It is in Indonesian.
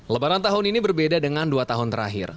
lebaran tahun ini berbeda dengan dua tahun terakhir